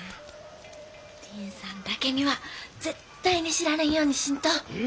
リンさんだけには絶対に知られんようにしんと。